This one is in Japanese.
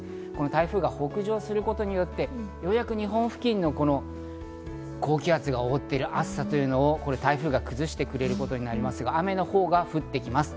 台風が北上することによって、ようやく日本付近の高気圧が覆っている暑さというのを台風が崩してくれることになりますが、雨のほうが降ってきます。